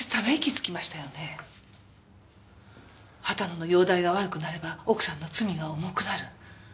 秦野の容体が悪くなれば奥さんの罪が重くなる。